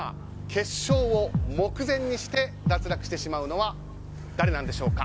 決勝を目前にして脱落してしまうのは誰なんでしょうか。